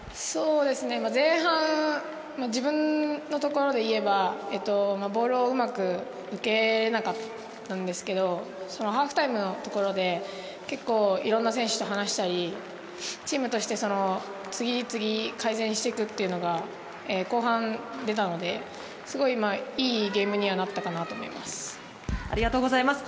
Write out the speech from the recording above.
前半自分のところでいえば、ボールをうまく受けられなかったんですけれど、ハーフタイムでいろんな選手と話したり、チームとして改善していくというのが後半出たので、いいゲームにはなったと思います。